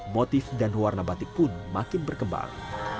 motif dan warna batik pun makin berkembang